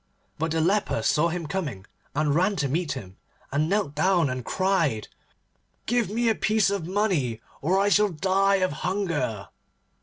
But the leper saw him coming, and ran to meet him, and knelt down and cried, 'Give me a piece of money or I shall die of hunger.